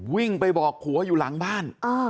วิ่งไปบอกผัวอยู่หลังบ้าน